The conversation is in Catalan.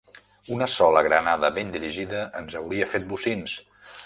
Una sola granada ben dirigida ens hauria fet bocins.